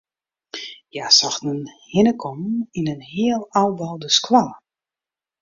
Hja sochten in hinnekommen yn in heal ôfboude skoalle.